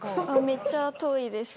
めっちゃ遠いです。